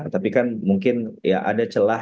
tapi kan mungkin ya ada celah